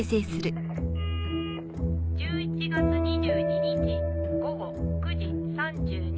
「１１月２２日午後９時３２分です」